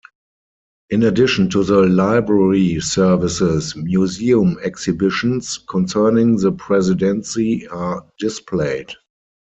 In addition to the library services, museum exhibitions concerning the presidency are displayed.